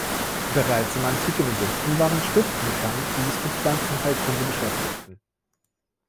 Bereits im antiken Ägypten waren Schriften bekannt, die sich mit Pflanzenheilkunde beschäftigten.